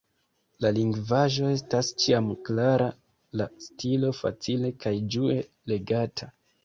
La lingvaĵo estas ĉiam klara, la stilo facile kaj ĝue legata.